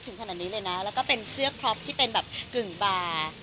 ขนาดนี้เลยนะแล้วก็เป็นเสื้อครอบที่เป็นแบบกึ่งบาร์